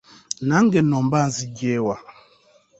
Nange nno mba nzigye wa?